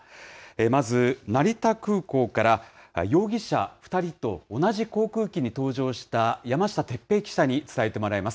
まず成田空港から、容疑者２人と同じ航空機に搭乗した、山下哲平記者に伝えてもらいます。